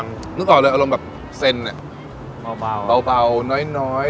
นึกออกเลยอารมณ์แบบเซ็นเนี่ยเบาน้อย